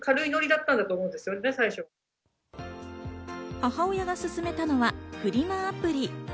母親が勧めたのはフリマアプリ。